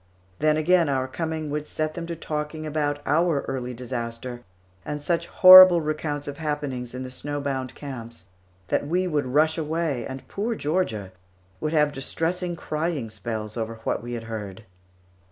Then, again, our coming would set them to talking about our early disaster and such horrible recounts of happenings in the snow bound camps that we would rush away, and poor Georgia would have distressing crying spells over what we had heard.